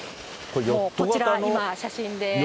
こちら、今、写真で。